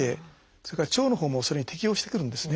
それから腸のほうもそれに適応してくるんですね。